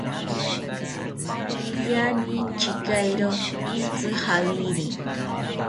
Iriani chekairo itzi javiri